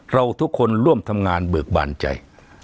เราทุกคนร่วมทำงานเบิกบานใจ